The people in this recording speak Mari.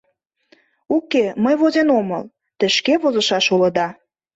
Уке, мый возен омыл, те шке возышаш улыда.